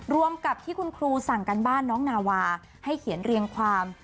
รวมกับที่คุณครูสั่งการบ้านน้องนาวาให้เขียนเรียงความ